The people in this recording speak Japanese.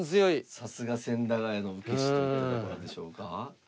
さすが千駄ヶ谷の受け師といったとこなんでしょうか。